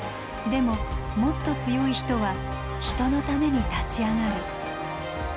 でももっと強い人は人のために立ち上がる。